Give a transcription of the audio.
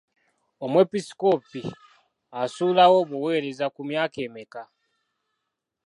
Omwepiskoopi asuulawo obuweereza ku myaka emeka?